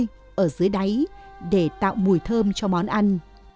cá chê được nướng ở dưới đáy để tạo mùi thơm cho món ăn